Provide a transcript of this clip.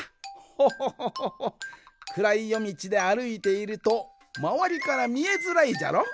ホホホホホホ。くらいよみちであるいているとまわりからみえづらいじゃろ。